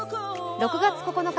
６月９日